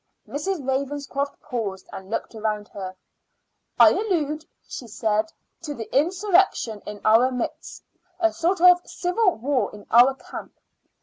Miss Ravenscroft paused and looked round her. "I allude," she said, "to the insurrection in our midst a sort of civil war in our camp.